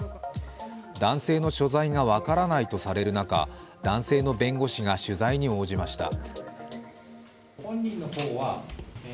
男性の所在が分からないとされる中、男性の弁護士が取材に応じました。